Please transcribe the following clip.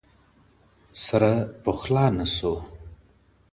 سره پخلا نه سو